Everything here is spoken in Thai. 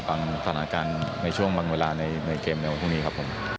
บางตอนอาการในช่วงบางเวลาในเกมในวันพรุ่งนี้ครับ